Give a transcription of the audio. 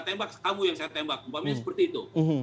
tembak kamu yang saya tembak umpamanya seperti itu